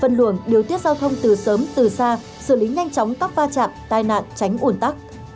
phân luồng điều tiết giao thông từ sớm từ xa xử lý nhanh chóng các va chạm tai nạn tránh ủn tắc